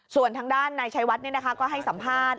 ส่วนทางด้านนายชัยวัดก็ให้สัมภาษณ์